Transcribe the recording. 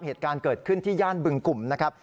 เหตุการณ์เกิดขึ้นที่ย่านบึงกลุ่มนะครับ